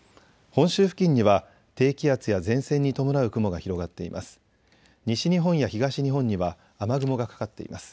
本州付近には低気圧や前線に伴う雲が広がっています。